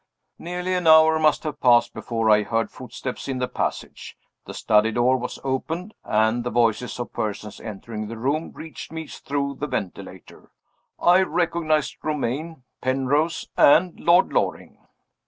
Nearly an hour must have passed before I heard footsteps in the passage. The study door was opened, and the voices of persons entering the room reached me through the ventilator. I recognized Romayne, Penrose and Lord Loring.